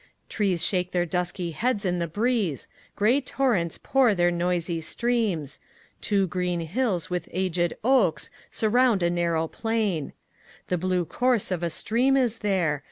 Trees shake their dusky heads in the breeze. Grey torrents pour their noisy streams. Two green hills with aged oaks surround a narrow plain. The blue course of a stream is there.